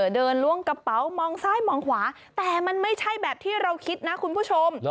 ล้วงกระเป๋ามองซ้ายมองขวาแต่มันไม่ใช่แบบที่เราคิดนะคุณผู้ชม